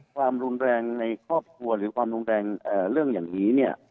ความรุนแรงในครอบครัวหรือความรุนแรงเรื่องอย่างนี้เนี่ย